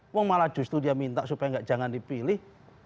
mau malah justru dia minta supaya tidak jangan dipilih